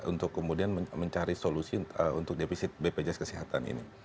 untuk kemudian mencari solusi untuk defisit bpjs kesehatan ini